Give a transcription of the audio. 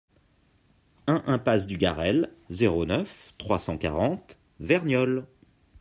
un impasse du Garrel, zéro neuf, trois cent quarante Verniolle